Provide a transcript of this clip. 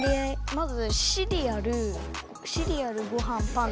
まずシリアルシリアルごはんパンでしょ。